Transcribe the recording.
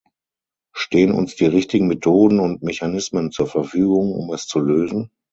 Stehen uns die richtigen Methoden und Mechanismen zur Verfügung, um es zu lösen?